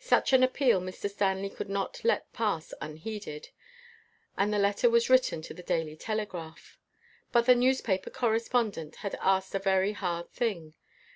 Such an appeal Mr. Stanley could not let pass imheeded, and the letter was writ ten to the Daily Telegraph. But the newspaper correspondent had asked a very hard thing.